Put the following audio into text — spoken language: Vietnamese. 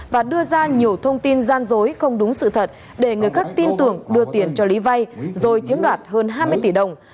và đưa ra nhiều thông tin gian dối không đúng sự thật để người khác tin tưởng đưa tiền cho lý vay rồi chiếm đoạt hơn hai mươi tỷ đồng